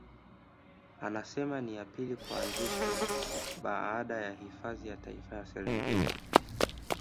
Anasema ni ya pili kuanzishwa baada ya Hifadhi ya Taifa ya Serengeti